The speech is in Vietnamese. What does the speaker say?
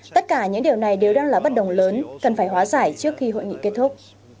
tất cả những điều này đều đang là bất đồng lớn cần phải hóa giải trước khi hội nghị kết thúc